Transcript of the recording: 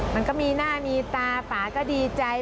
มันก็มีหน้ามีตาป่าก็ดีใจ